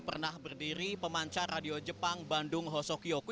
pernah berdiri pemancar radio jepang bandung hosokyoku